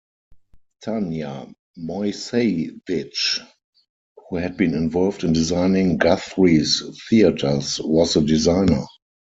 Tanya Moiseiwitsch, who had been involved in designing Guthrie's theatres, was the designer.